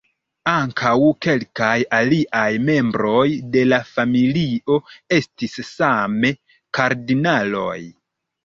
Ankaŭ kelkaj aliaj membroj de la familio estis same kardinaloj.